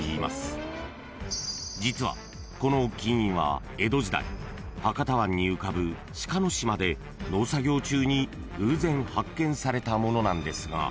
［実はこの金印は江戸時代博多湾に浮かぶ志賀島で農作業中に偶然発見されたものなんですが］